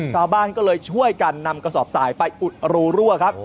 ชาวบ้านก็เลยช่วยกันนำกระสอบสายไปอุดรูรั่วครับ